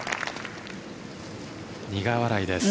苦笑いです。